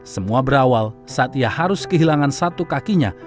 semua berawal saat ia harus kehilangan satu kakinya